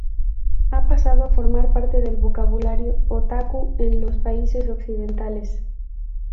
Ha pasado a formar parte del vocabulario otaku en los países occidentales.